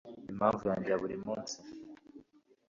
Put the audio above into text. Impamvu yanjye ya buri munsi